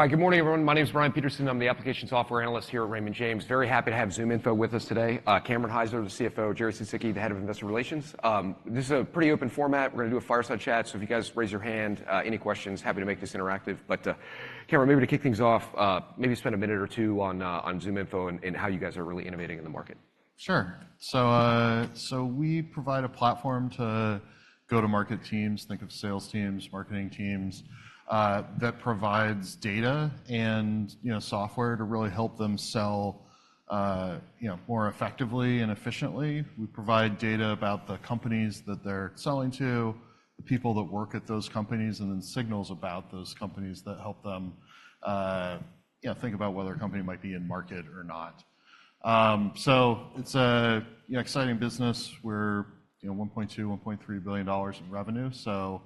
All right, good morning, everyone. My name is Brian Peterson. I'm the Application Software Analyst here at Raymond James. Very happy to have ZoomInfo with us today. Cameron Hyzer, the CFO. Jerry Sisitsky, the Head of Investor Relations. This is a pretty open format. We're going to do a fireside chat. So if you guys raise your hand, any questions, happy to make this interactive. But Cameron, maybe to kick things off, maybe spend a minute or two on ZoomInfo and how you guys are really innovating in the market. Sure. So we provide a platform to go-to-market teams, think of sales teams, marketing teams, that provides data and software to really help them sell more effectively and efficiently. We provide data about the companies that they're selling to, the people that work at those companies, and then signals about those companies that help them think about whether a company might be in market or not. So it's an exciting business. We're $1.2 billion-$1.3 billion in revenue. So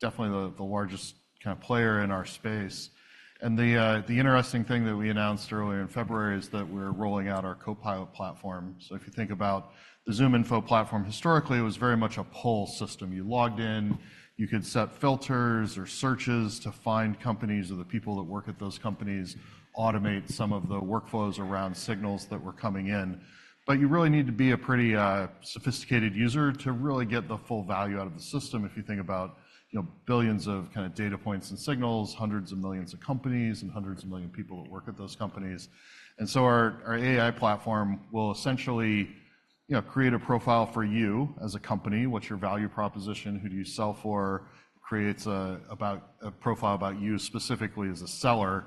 definitely the largest kind of player in our space. And the interesting thing that we announced earlier in February is that we're rolling out our Copilot platform. So if you think about the ZoomInfo platform, historically, it was very much a pull system. You logged in. You could set filters or searches to find companies or the people that work at those companies, automate some of the workflows around signals that were coming in. But you really need to be a pretty sophisticated user to really get the full value out of the system if you think about billions of kind of data points and signals, hundreds of millions of companies, and hundreds of millions of people that work at those companies. And so our AI platform will essentially create a profile for you as a company. What's your value proposition? Who do you sell for? It creates a profile about you specifically as a seller.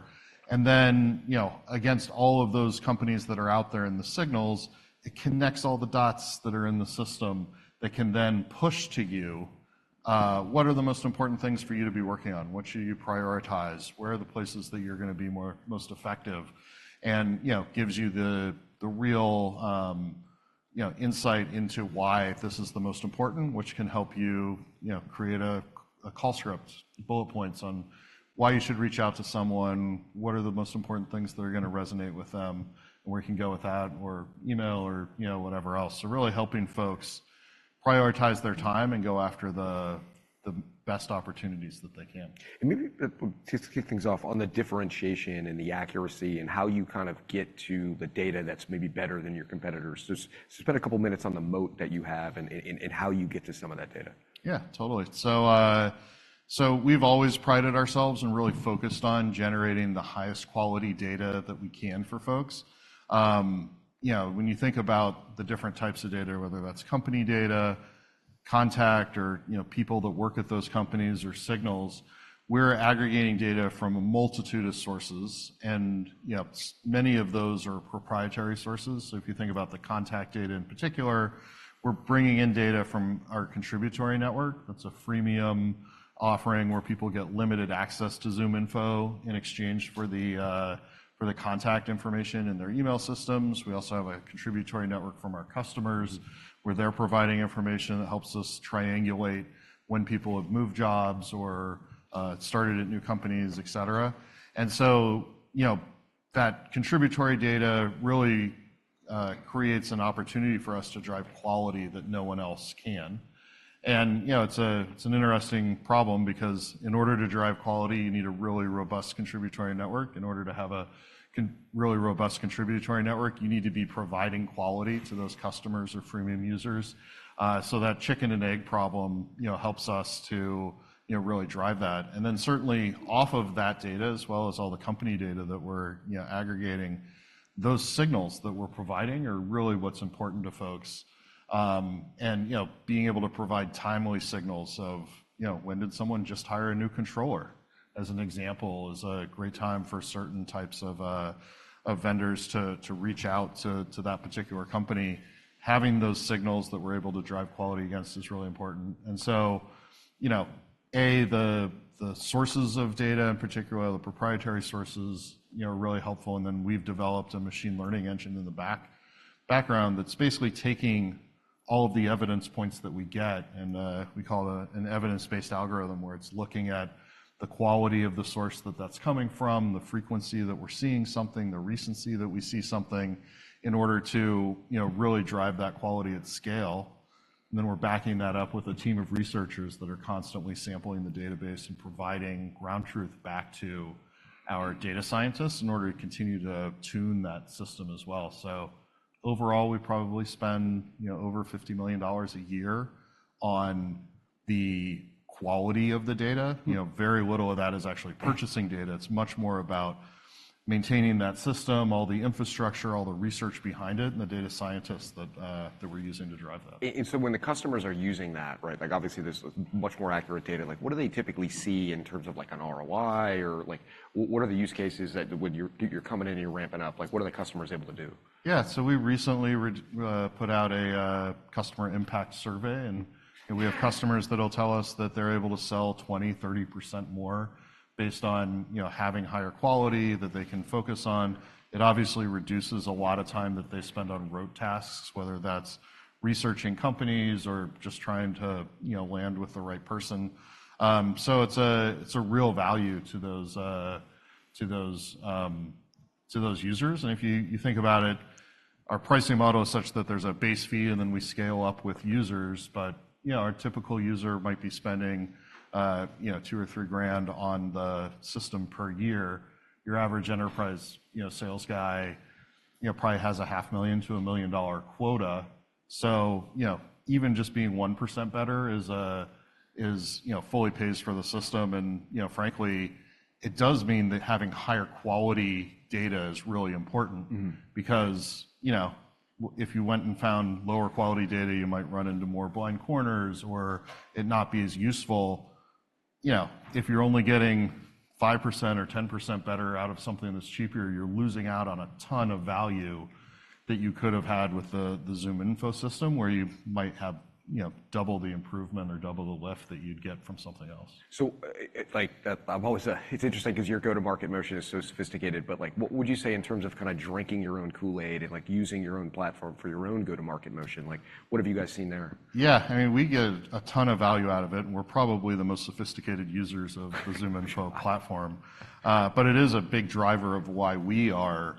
And then against all of those companies that are out there in the signals, it connects all the dots that are in the system that can then push to you, what are the most important things for you to be working on? What should you prioritize? Where are the places that you're going to be most effective? And gives you the real insight into why this is the most important, which can help you create a call script, bullet points on why you should reach out to someone, what are the most important things that are going to resonate with them, and where you can go with that, or email or whatever else. So really helping folks prioritize their time and go after the best opportunities that they can. Maybe to kick things off, on the differentiation and the accuracy and how you kind of get to the data that's maybe better than your competitors? So spend a couple of minutes on the moat that you have and how you get to some of that data. Yeah, totally. So we've always prided ourselves and really focused on generating the highest quality data that we can for folks. When you think about the different types of data, whether that's company data, contact, or people that work at those companies, or signals, we're aggregating data from a multitude of sources. And many of those are proprietary sources. So if you think about the contact data in particular, we're bringing in data from our contributory network. That's a freemium offering where people get limited access to ZoomInfo in exchange for the contact information in their email systems. We also have a contributory network from our customers where they're providing information that helps us triangulate when people have moved jobs or started at new companies, et cetera. And so that contributory data really creates an opportunity for us to drive quality that no one else can. It's an interesting problem because in order to drive quality, you need a really robust contributory network. In order to have a really robust contributory network, you need to be providing quality to those customers or freemium users. That chicken-and-egg problem helps us to really drive that. Then certainly, off of that data, as well as all the company data that we're aggregating, those signals that we're providing are really what's important to folks. Being able to provide timely signals of, when did someone just hire a new controller, as an example, is a great time for certain types of vendors to reach out to that particular company. Having those signals that we're able to drive quality against is really important. The sources of data in particular, the proprietary sources, are really helpful. Then we've developed a machine learning engine in the background that's basically taking all of the evidence points that we get. We call it an evidence-based algorithm where it's looking at the quality of the source that that's coming from, the frequency that we're seeing something, the recency that we see something in order to really drive that quality at scale. Then we're backing that up with a team of researchers that are constantly sampling the database and providing ground truth back to our data scientists in order to continue to tune that system as well. Overall, we probably spend over $50 million a year on the quality of the data. Very little of that is actually purchasing data. It's much more about maintaining that system, all the infrastructure, all the research behind it, and the data scientists that we're using to drive that. And so when the customers are using that, right, obviously, there's much more accurate data. What do they typically see in terms of an ROI? Or what are the use cases that when you're coming in and you're ramping up, what are the customers able to do? Yeah. We recently put out a customer impact survey. We have customers that'll tell us that they're able to sell 20%-30% more based on having higher quality that they can focus on. It obviously reduces a lot of time that they spend on rote tasks, whether that's researching companies or just trying to land with the right person. It's a real value to those users. If you think about it, our pricing model is such that there's a base fee, and then we scale up with users. Our typical user might be spending $2,000 or $3,000 on the system per year. Your average enterprise sales guy probably has a $500,000-$1 million quota. Even just being 1% better fully pays for the system. And frankly, it does mean that having higher quality data is really important because if you went and found lower quality data, you might run into more blind corners or it not be as useful. If you're only getting 5% or 10% better out of something that's cheaper, you're losing out on a ton of value that you could have had with the ZoomInfo system where you might have double the improvement or double the lift that you'd get from something else. It's interesting because your go-to-market motion is so sophisticated. What would you say in terms of kind of drinking your own Kool-Aid and using your own platform for your own go-to-market motion? What have you guys seen there? Yeah. I mean, we get a ton of value out of it. And we're probably the most sophisticated users of the ZoomInfo platform. But it is a big driver of why we are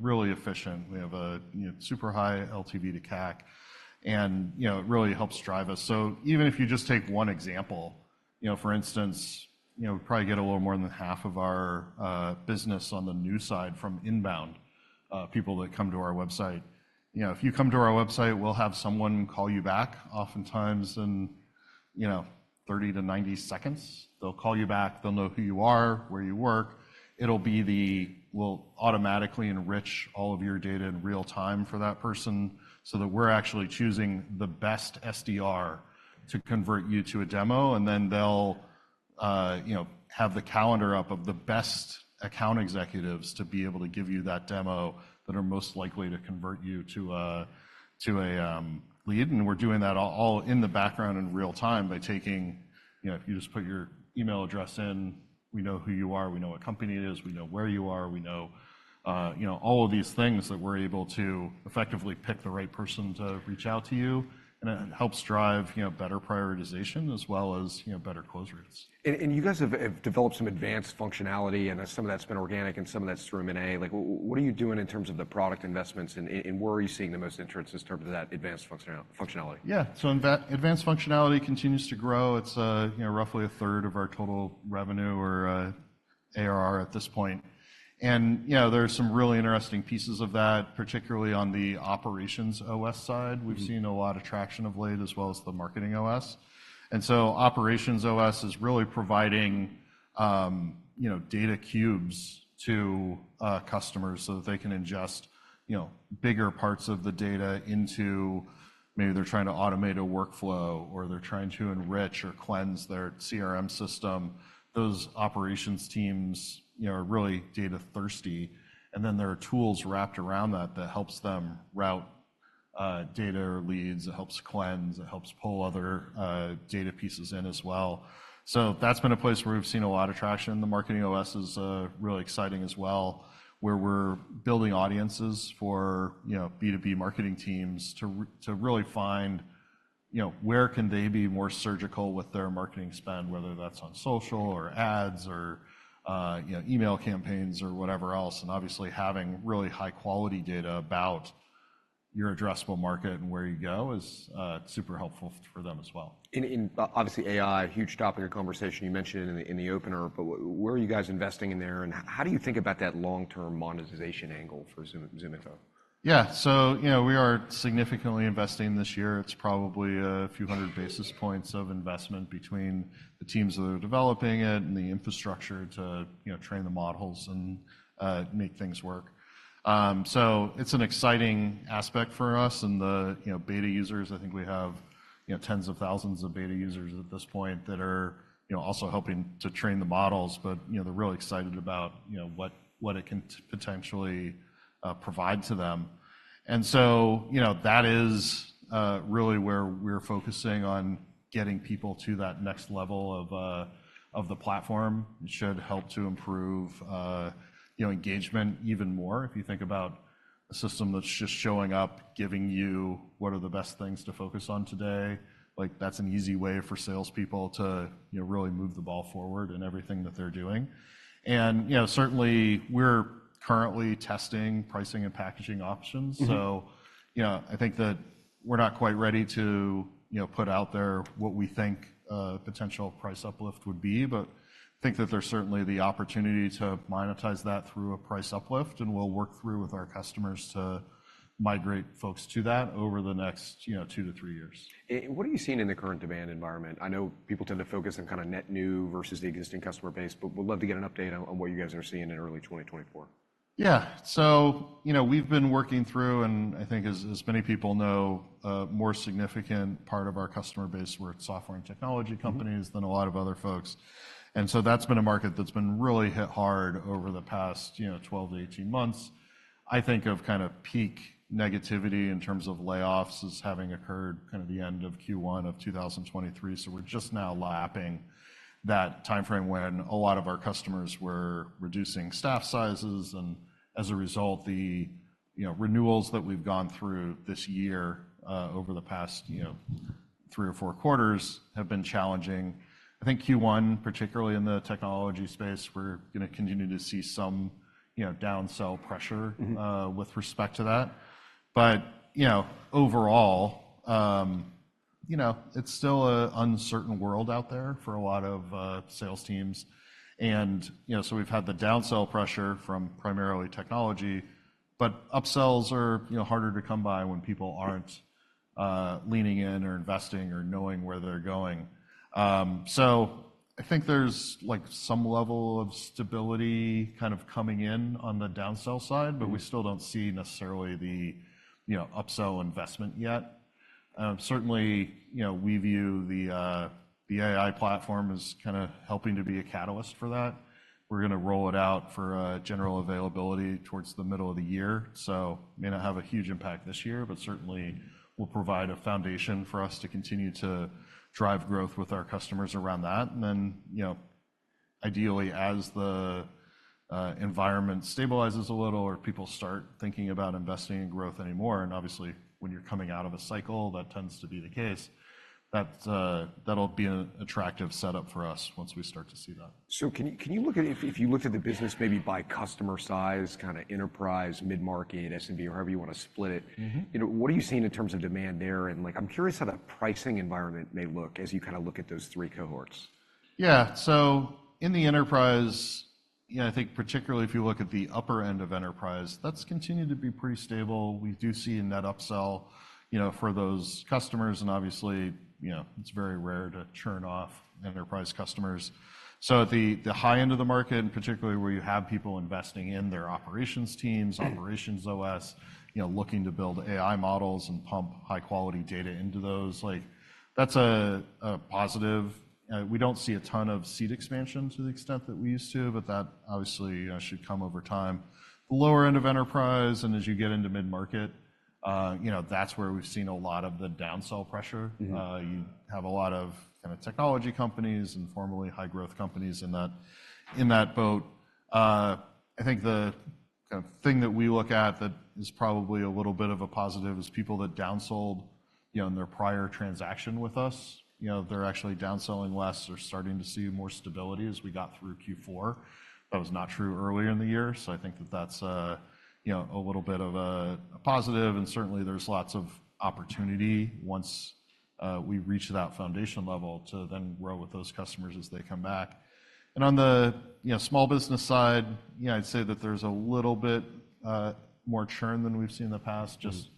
really efficient. We have a super high LTV to CAC. And it really helps drive us. So even if you just take one example, for instance, we probably get a little more than half of our business on the new side from inbound people that come to our website. If you come to our website, we'll have someone call you back oftentimes in 30-90 seconds. They'll call you back. They'll know who you are, where you work. It'll be. We'll automatically enrich all of your data in real time for that person so that we're actually choosing the best SDR to convert you to a demo. And then they'll have the calendar up of the best account executives to be able to give you that demo that are most likely to convert you to a lead. And we're doing that all in the background in real time by taking if you just put your email address in, we know who you are. We know what company it is. We know where you are. We know all of these things that we're able to effectively pick the right person to reach out to you. And it helps drive better prioritization as well as better close rates. You guys have developed some advanced functionality. Some of that's been organic. Some of that's through M&A. What are you doing in terms of the product investments? Where are you seeing the most interest in terms of that advanced functionality? Yeah. So advanced functionality continues to grow. It's roughly a third of our total revenue or ARR at this point. And there are some really interesting pieces of that, particularly on the OperationsOS side. We've seen a lot of traction of late as well as the MarketingOS. And so OperationsOS is really providing data cubes to customers so that they can ingest bigger parts of the data into maybe they're trying to automate a workflow or they're trying to enrich or cleanse their CRM system. Those operations teams are really data thirsty. And then there are tools wrapped around that that helps them route data leads. It helps cleanse. It helps pull other data pieces in as well. So that's been a place where we've seen a lot of traction. The MarketingOS is really exciting as well where we're building audiences for B2B marketing teams to really find where can they be more surgical with their marketing spend, whether that's on social or ads or email campaigns or whatever else. Obviously, having really high-quality data about your addressable market and where you go is super helpful for them as well. And obviously, AI, huge topic of conversation. You mentioned it in the opener. But where are you guys investing in there? And how do you think about that long-term monetization angle for ZoomInfo? Yeah. So we are significantly investing this year. It's probably a few hundred basis points of investment between the teams that are developing it and the infrastructure to train the models and make things work. So it's an exciting aspect for us. And the beta users, I think we have tens of thousands of beta users at this point that are also helping to train the models. But they're really excited about what it can potentially provide to them. And so that is really where we're focusing on getting people to that next level of the platform. It should help to improve engagement even more if you think about a system that's just showing up, giving you what are the best things to focus on today. That's an easy way for salespeople to really move the ball forward in everything that they're doing. Certainly, we're currently testing pricing and packaging options. I think that we're not quite ready to put out there what we think a potential price uplift would be. I think that there's certainly the opportunity to monetize that through a price uplift. We'll work through with our customers to migrate folks to that over the next 2-3 years. What are you seeing in the current demand environment? I know people tend to focus on kind of net new versus the existing customer base. We'd love to get an update on what you guys are seeing in early 2024. Yeah. So we've been working through, and I think, as many people know, a more significant part of our customer base. We're software and technology companies than a lot of other folks. And so that's been a market that's been really hit hard over the past 12-18 months. I think of kind of peak negativity in terms of layoffs as having occurred kind of the end of Q1 of 2023. So we're just now lapping that time frame when a lot of our customers were reducing staff sizes. And as a result, the renewals that we've gone through this year over the past 3 or 4 quarters have been challenging. I think Q1, particularly in the technology space, we're going to continue to see some downsell pressure with respect to that. But overall, it's still an uncertain world out there for a lot of sales teams. And so we've had the downsell pressure from primarily technology. But upsells are harder to come by when people aren't leaning in or investing or knowing where they're going. So I think there's some level of stability kind of coming in on the downsell side. But we still don't see necessarily the upsell investment yet. Certainly, we view the AI platform as kind of helping to be a catalyst for that. We're going to roll it out for general availability towards the middle of the year. So it may not have a huge impact this year. But certainly, we'll provide a foundation for us to continue to drive growth with our customers around that. And then ideally, as the environment stabilizes a little or people start thinking about investing in growth anymore and obviously, when you're coming out of a cycle, that tends to be the case, that'll be an attractive setup for us once we start to see that. Can you look at if you looked at the business maybe by customer size, kind of enterprise, mid-market, SMB, or however you want to split it, what are you seeing in terms of demand there? I'm curious how the pricing environment may look as you kind of look at those three cohorts. Yeah. So in the enterprise, I think particularly if you look at the upper end of enterprise, that's continued to be pretty stable. We do see a net upsell for those customers. And obviously, it's very rare to churn off enterprise customers. So at the high end of the market, particularly where you have people investing in their operations teams, OperationsOS, looking to build AI models and pump high-quality data into those, that's a positive. We don't see a ton of seed expansion to the extent that we used to. But that obviously should come over time. The lower end of enterprise and as you get into mid-market, that's where we've seen a lot of the downsell pressure. You have a lot of kind of technology companies and formerly high-growth companies in that boat. I think the kind of thing that we look at that is probably a little bit of a positive is people that downsold in their prior transaction with us, they're actually downselling less. They're starting to see more stability as we got through Q4. That was not true earlier in the year. So I think that that's a little bit of a positive. And certainly, there's lots of opportunity once we reach that foundation level to then grow with those customers as they come back. And on the small business side, I'd say that there's a little bit more churn than we've seen in the past just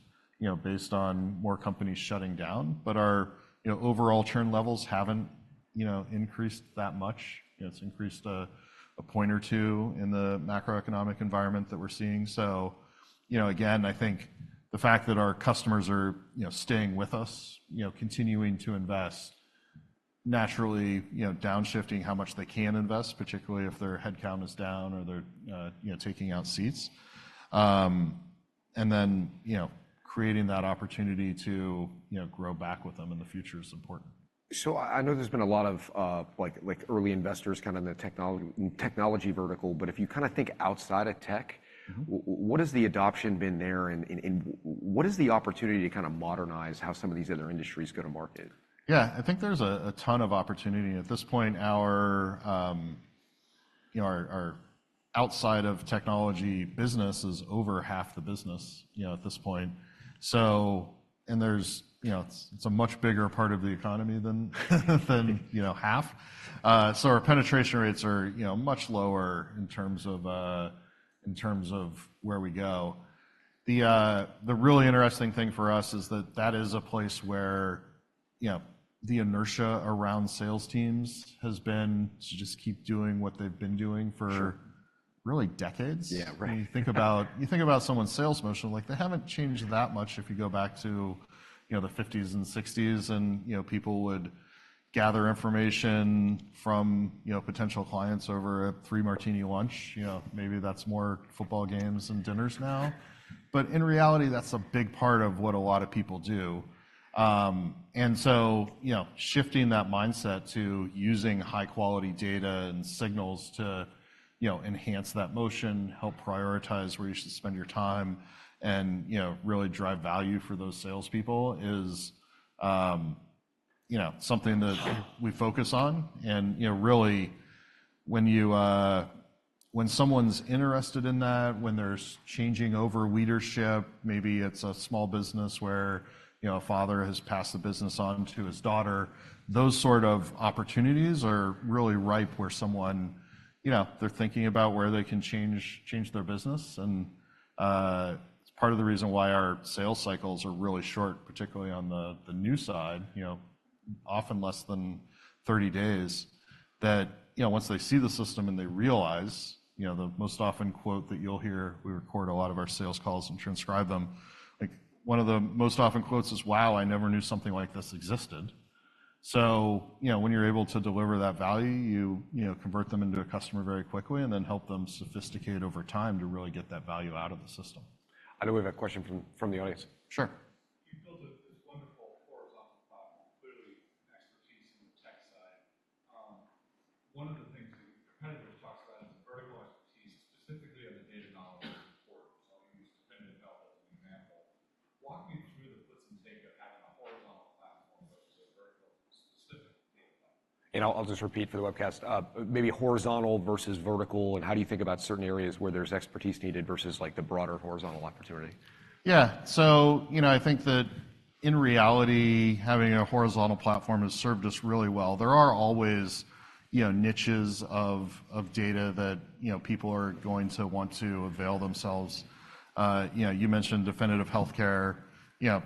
based on more companies shutting down. But our overall churn levels haven't increased that much. It's increased a point or two in the macroeconomic environment that we're seeing. So again, I think the fact that our customers are staying with us, continuing to invest, naturally downshifting how much they can invest, particularly if their headcount is down or they're taking out seats, and then creating that opportunity to grow back with them in the future is important. So I know there's been a lot of early investors kind of in the technology vertical. But if you kind of think outside of tech, what has the adoption been there? And what is the opportunity to kind of modernize how some of these other industries go to market? Yeah. I think there's a ton of opportunity. At this point, our outside-of-technology business is over half the business at this point. And it's a much bigger part of the economy than half. So our penetration rates are much lower in terms of where we go. The really interesting thing for us is that that is a place where the inertia around sales teams has been to just keep doing what they've been doing for really decades. When you think about someone's sales motion, they haven't changed that much if you go back to the 1950s and 1960s. And people would gather information from potential clients over a three-martini lunch. Maybe that's more football games and dinners now. But in reality, that's a big part of what a lot of people do. And so shifting that mindset to using high-quality data and signals to enhance that motion, help prioritize where you should spend your time, and really drive value for those salespeople is something that we focus on. And really, when someone's interested in that, when they're changing over leadership, maybe it's a small business where a father has passed the business on to his daughter, those sort of opportunities are really ripe where they're thinking about where they can change their business. It's part of the reason why our sales cycles are really short, particularly on the new side, often less than 30 days, that once they see the system and they realize the most often quote that you'll hear. We record a lot of our sales calls and transcribe them. One of the most often quotes is, "Wow, I never knew something like this existed." When you're able to deliver that value, you convert them into a customer very quickly and then help them sophisticate over time to really get that value out of the system. I know we have a question from the audience. Sure. You've built this wonderful horizontal platform, clearly expertise in the tech side. One of the things that your competitors talk about is vertical expertise, specifically on the data knowledge and support. So I'll use Definitive Healthcare as an example. Walk me through the puts and takes of having a horizontal platform versus a vertical specific data platform. I'll just repeat for the webcast, maybe horizontal versus vertical. How do you think about certain areas where there's expertise needed versus the broader horizontal opportunity? Yeah. So I think that in reality, having a horizontal platform has served us really well. There are always niches of data that people are going to want to avail themselves. You mentioned Definitive Healthcare.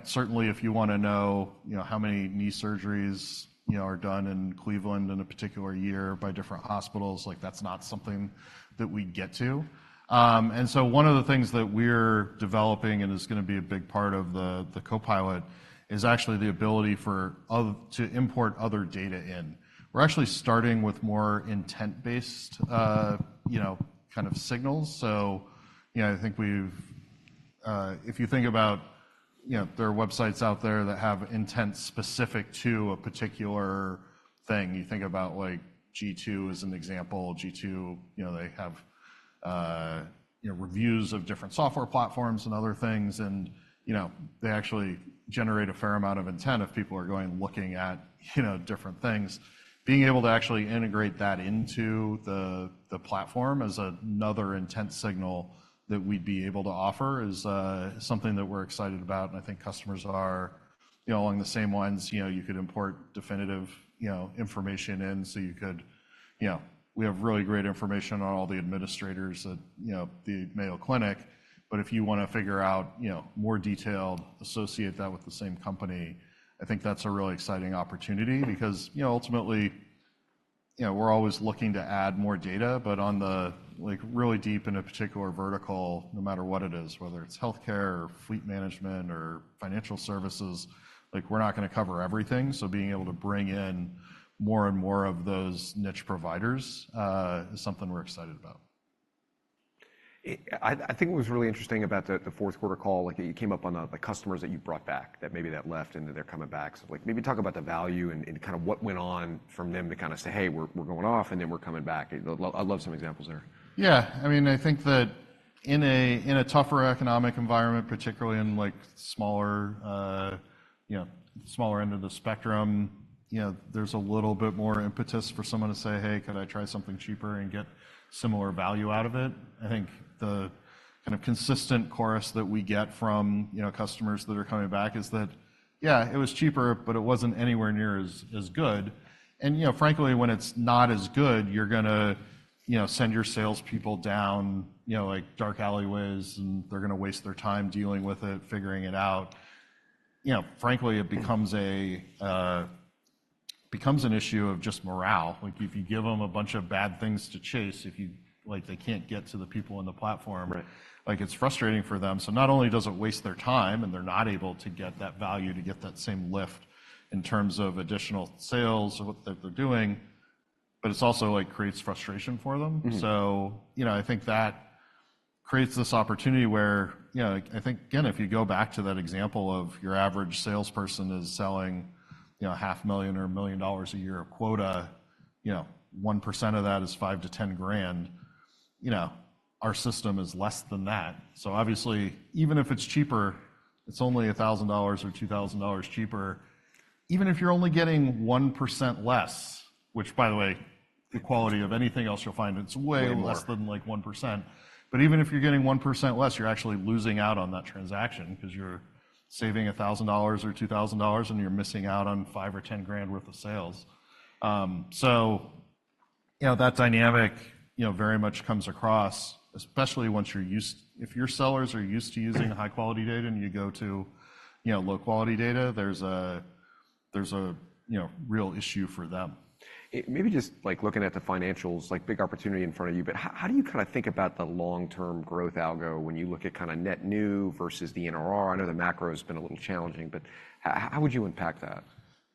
Certainly, if you want to know how many knee surgeries are done in Cleveland in a particular year by different hospitals, that's not something that we get to. And so one of the things that we're developing and is going to be a big part of the Copilot is actually the ability to import other data in. We're actually starting with more intent-based kind of signals. So I think if you think about there are websites out there that have intent specific to a particular thing. You think about G2 as an example. G2, they have reviews of different software platforms and other things. They actually generate a fair amount of intent if people are going looking at different things. Being able to actually integrate that into the platform as another intent signal that we'd be able to offer is something that we're excited about. I think customers are along the same lines. You could import Definitive Healthcare information in. So we have really great information on all the administrators at the Mayo Clinic. But if you want to figure out more detail, associate that with the same company, I think that's a really exciting opportunity because ultimately, we're always looking to add more data. But on the really deep in a particular vertical, no matter what it is, whether it's health care or fleet management or financial services, we're not going to cover everything. So being able to bring in more and more of those niche providers is something we're excited about. I think what was really interesting about the fourth quarter call, you came up on the customers that you brought back, that maybe that left and that they're coming back. So maybe talk about the value and kind of what went on from them to kind of say, "Hey, we're going off. And then we're coming back." I'd love some examples there. Yeah. I mean, I think that in a tougher economic environment, particularly in the smaller end of the spectrum, there's a little bit more impetus for someone to say, "Hey, could I try something cheaper and get similar value out of it?" I think the kind of consistent chorus that we get from customers that are coming back is that, "Yeah, it was cheaper. But it wasn't anywhere near as good." And frankly, when it's not as good, you're going to send your salespeople down dark alleyways. And they're going to waste their time dealing with it, figuring it out. Frankly, it becomes an issue of just morale. If you give them a bunch of bad things to chase, they can't get to the people in the platform. It's frustrating for them. So not only does it waste their time, and they're not able to get that value, to get that same lift in terms of additional sales or what they're doing, but it also creates frustration for them. So I think that creates this opportunity where I think, again, if you go back to that example of your average salesperson is selling $500,000 or $1 million a year of quota, 1% of that is $5,000-$10,000. Our system is less than that. So obviously, even if it's cheaper, it's only $1,000 or $2,000 cheaper. Even if you're only getting 1% less, which, by the way, the quality of anything else you'll find, it's way less than 1%. But even if you're getting 1% less, you're actually losing out on that transaction because you're saving $1,000 or $2,000. You're missing out on $5,000 or $10,000 worth of sales. That dynamic very much comes across, especially once you're used if your sellers are used to using high-quality data and you go to low-quality data, there's a real issue for them. Maybe just looking at the financials, big opportunity in front of you. But how do you kind of think about the long-term growth algo when you look at kind of net new versus the NRR? I know the macro has been a little challenging. But how would you unpack that?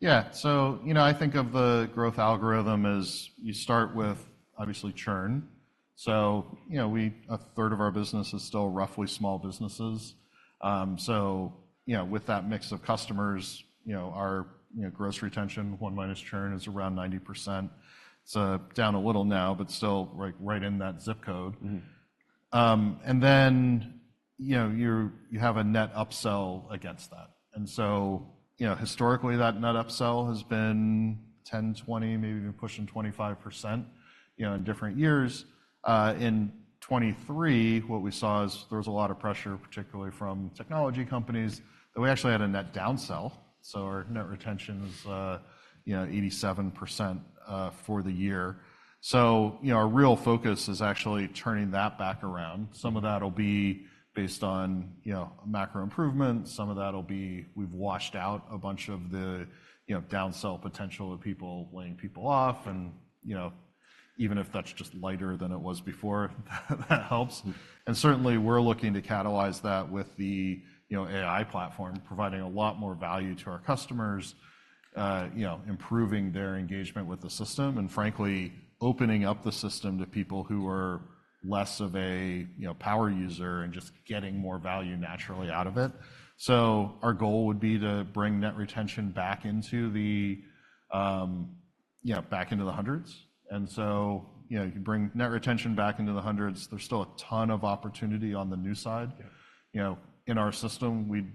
Yeah. So I think of the growth algorithm as you start with, obviously, churn. So a third of our business is still roughly small businesses. So with that mix of customers, our gross retention, one minus churn, is around 90%. It's down a little now but still right in that zip code. And then you have a net upsell against that. And so historically, that net upsell has been 10%, 20%, maybe even pushing 25% in different years. In 2023, what we saw is there was a lot of pressure, particularly from technology companies, that we actually had a net downsell. So our net retention is 87% for the year. So our real focus is actually turning that back around. Some of that will be based on macro improvements. Some of that will be we've washed out a bunch of the downsell potential of laying people off. Even if that's just lighter than it was before, that helps. Certainly, we're looking to catalyze that with the AI platform, providing a lot more value to our customers, improving their engagement with the system, and frankly, opening up the system to people who are less of a power user and just getting more value naturally out of it. Our goal would be to bring net retention back into the hundreds. You can bring net retention back into the hundreds. There's still a ton of opportunity on the new side. In our system, we'd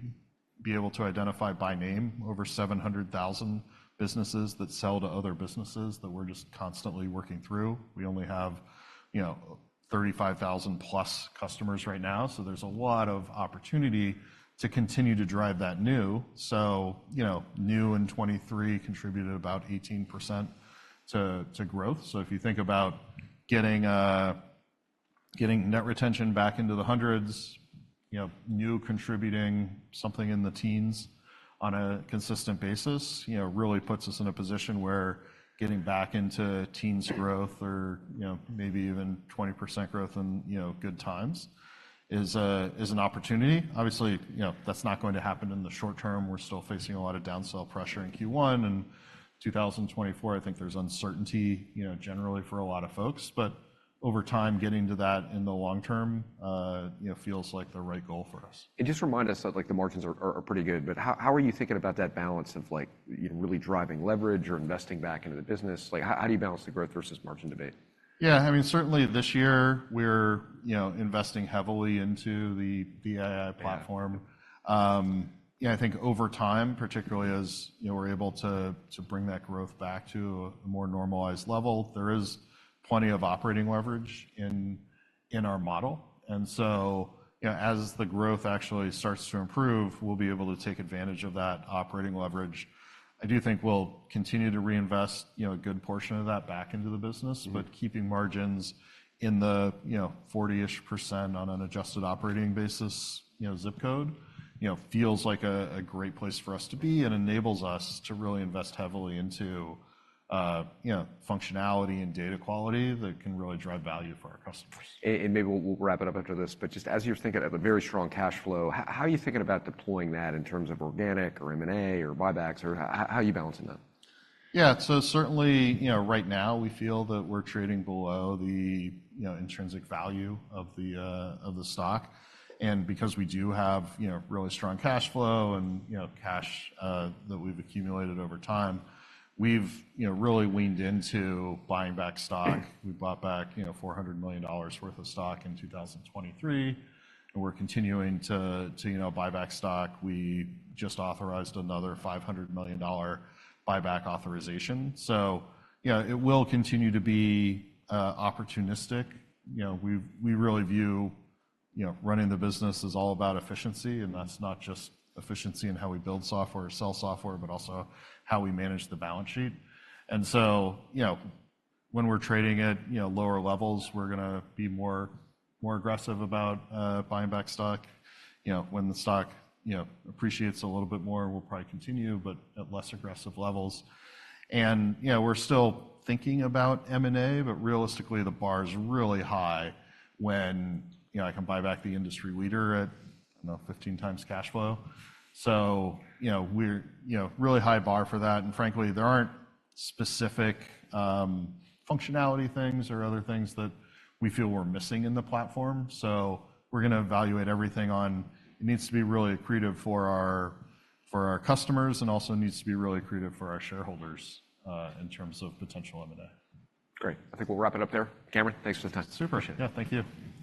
be able to identify by name over 700,000 businesses that sell to other businesses that we're just constantly working through. We only have 35,000-plus customers right now. There's a lot of opportunity to continue to drive that new. New in 2023 contributed about 18% to growth. So if you think about getting net retention back into the hundreds, new contributing something in the teens on a consistent basis really puts us in a position where getting back into teens growth or maybe even 20% growth in good times is an opportunity. Obviously, that's not going to happen in the short term. We're still facing a lot of downsell pressure in Q1 and 2024, I think there's uncertainty generally for a lot of folks. But over time, getting to that in the long term feels like the right goal for us. It just reminded us that the margins are pretty good. But how are you thinking about that balance of really driving leverage or investing back into the business? How do you balance the growth versus margin debate? Yeah. I mean, certainly, this year, we're investing heavily into the AI platform. I think over time, particularly as we're able to bring that growth back to a more normalized level, there is plenty of operating leverage in our model. And so as the growth actually starts to improve, we'll be able to take advantage of that operating leverage. I do think we'll continue to reinvest a good portion of that back into the business. But keeping margins in the 40-ish% on an adjusted operating basis zip code feels like a great place for us to be and enables us to really invest heavily into functionality and data quality that can really drive value for our customers. Maybe we'll wrap it up after this. Just as you're thinking of a very strong cash flow, how are you thinking about deploying that in terms of organic or M&A or buybacks? Or how are you balancing that? Yeah. So certainly, right now, we feel that we're trading below the intrinsic value of the stock. And because we do have really strong cash flow and cash that we've accumulated over time, we've really weaned into buying back stock. We bought back $400 million worth of stock in 2023. And we're continuing to buy back stock. We just authorized another $500 million buyback authorization. So it will continue to be opportunistic. We really view running the business as all about efficiency. And that's not just efficiency in how we build software or sell software but also how we manage the balance sheet. And so when we're trading at lower levels, we're going to be more aggressive about buying back stock. When the stock appreciates a little bit more, we'll probably continue but at less aggressive levels. And we're still thinking about M&A. But realistically, the bar is really high when I can buy back the industry leader at, I don't know, 15x cash flow. So really high bar for that. And frankly, there aren't specific functionality things or other things that we feel we're missing in the platform. So we're going to evaluate everything on it needs to be really accretive for our customers. And also it needs to be really accretive for our shareholders in terms of potential M&A. Great. I think we'll wrap it up there. Cameron, thanks for the time. Super appreciate it. Yeah, thank you.